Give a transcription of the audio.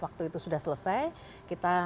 waktu itu sudah selesai kita